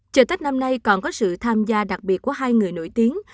chợ tết năm nay còn có sự tham gia đặc biệt của hai người nổi tiếng